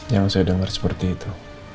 yang saya dengar seperti itu